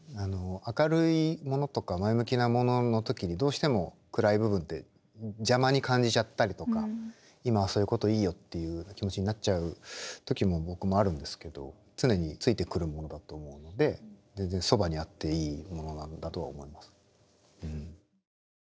明るいものとか前向きなものの時にどうしても暗い部分って邪魔に感じちゃったりとか今はそういうこといいよっていう気持ちになっちゃう時も僕もあるんですけど常についてくるものだと思うので全然そばにあっていいものなんだとは思います。